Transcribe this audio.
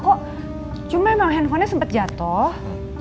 kok cuma emang handphonenya sempet jatoh